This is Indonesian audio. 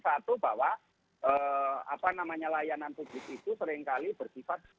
satu bahwa apa namanya layanan publik itu seringkali berkifat